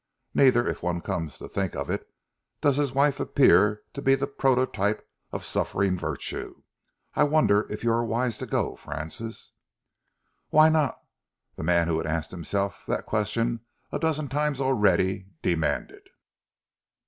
"Neither, if one comes to think of it, does his wife appear to be the prototype of suffering virtue. I wonder if you are wise to go, Francis?" "Why not?" the man who had asked himself that question a dozen times already, demanded.